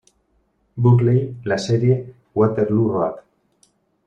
Burley la serie "Waterloo Road".